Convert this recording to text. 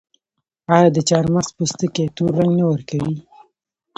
آیا د چارمغز پوستکي تور رنګ نه ورکوي؟